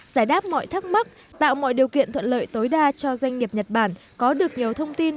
giải đáp mọi thắc mắc tạo mọi điều kiện thuận lợi tối đa cho doanh nghiệp nhật bản có được nhiều thông tin